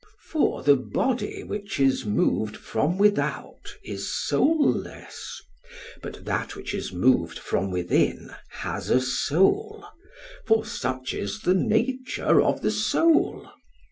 For the body which is moved from without is soulless; but that which is moved from within has a soul, for such is the nature of the soul.